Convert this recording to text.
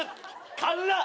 辛っ！